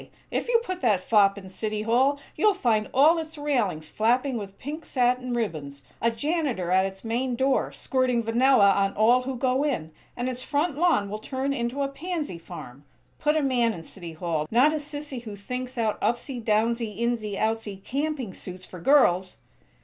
If you put that fop in City Hall you'll find all its railings flapping with pink satin ribbons; a janitor at its main door, squirting vanilla on all who go in; and its front lawn will turn into a pansy farm! Put a man in City Hall, not a sissy who thinks out 'upsy downsy, insy outsy' camping suits for girls!"